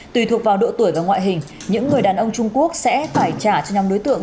tùy thuộc vào độ tuổi và ngoại hình những người đàn ông trung quốc sẽ phải trả cho nhóm đối tượng